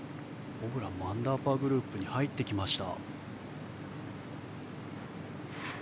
ホブランもアンダーパーグループに入ってきました。